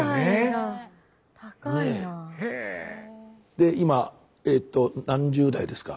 で今えっと何十代ですか？